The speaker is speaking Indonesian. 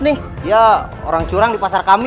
nih dia orang curang di pasar kami